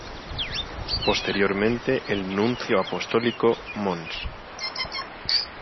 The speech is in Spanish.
Posteriormente el Nuncio Apostólico, Mons.